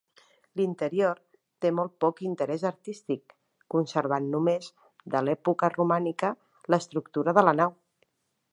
L'interior té molt poc interès artístic, conservant només de l'època romànica l'estructura de la nau.